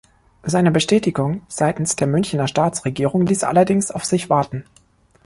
Seine Bestätigung seitens der Münchener Staatsregierung ließ allerdings auf sich warten.